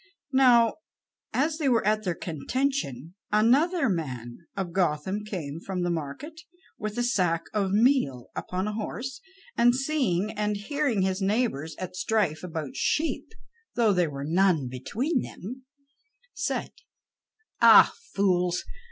Now, as they were at their contention, another man of Gotham came from the market with a sack of meal upon a horse, and seeing and hearing his neighbors at strife about sheep, though there were none between them, said: "Ah, fools!